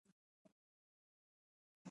نېمه شپه شوه